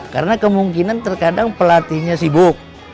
karena kemungkinan terkadang pelatihnya sibuk